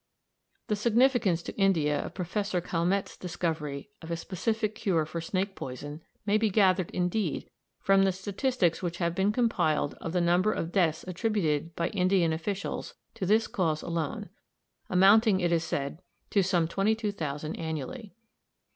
The significance to India of Professor Calmette's discovery of a specific cure for snake poison may be gathered, indeed, from the statistics which have been compiled of the number of deaths attributed by Indian officials to this cause alone, amounting, it is said, to some 22,000 annually.